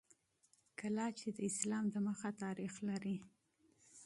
کلا چې د اسلام د مخه تاریخ لري